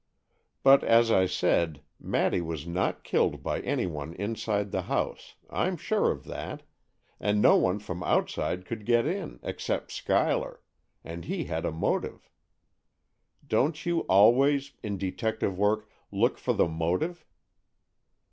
"But, as I said, Maddy was not killed by any one inside the house—I'm sure of that—and no one from outside could get in, except Schuyler—and he had a motive. Don't you always, in detective work, look for the motive?"